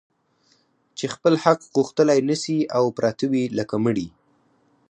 چي خپل حق غوښتلای نه سي او پراته وي لکه مړي